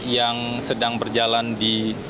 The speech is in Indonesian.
yang sedang berjalan di